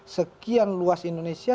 sekian luas indonesia